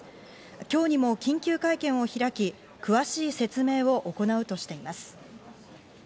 今日にも緊急会見を開き、詳しい説明を行うとしています。